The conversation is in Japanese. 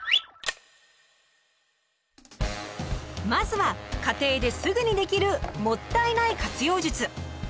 まずは家庭ですぐにできる「もったいない活用術」。